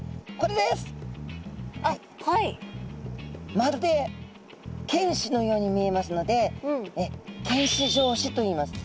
まるで犬歯のように見えますので犬歯状歯といいます。